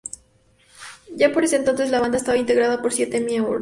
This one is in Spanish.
Ya por ese entonces la banda estaba integrada por siete miembros.